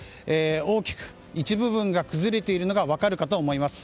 大きく一部分が崩れているのが分かるかと思います。